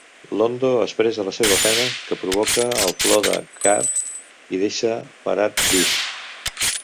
Londo expressa la seva pena, que provoca el plor de G'Kar i deixa parat Vir.